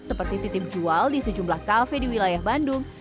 seperti titip jual di sejumlah kafe di wilayah bandung